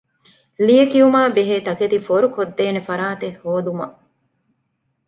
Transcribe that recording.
ލިޔެކިޔުމާބެހޭ ތަކެތި ފޯރުކޮށްދޭނެ ފަރާތެއް ހޯދުމަށް